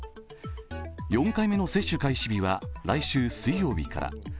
４回目の接種開始日は来週水曜日から。